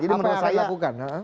apa yang harus dilakukan